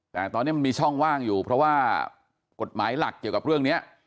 แต่ตอนนี้มันมีช่องว่างอยู่เพราะว่ากฎหมายหลักเกี่ยวกับเรื่องนี้